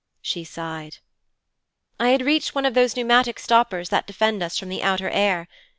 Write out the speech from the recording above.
She sighed. 'I had reached one of those pneumatic stoppers that defend us from the outer air.